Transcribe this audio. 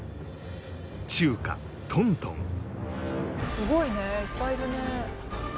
すごいねいっぱいいるね。